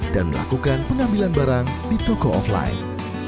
dan melakukan pengambilan barang di toko offline